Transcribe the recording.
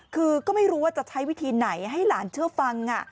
คือก็ไม่รู้ว่าจะใช้วิธีไหนให้หลานเชื่อฟัง